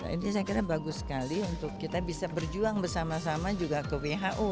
ini saya kira bagus sekali untuk kita bisa berjuang bersama sama juga ke who